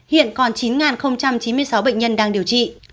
hiện còn chín chín mươi sáu bệnh nhân đang điều trị